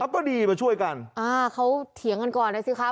ก็ดีมาช่วยกันอ่าเขาเถียงกันก่อนนะสิคะ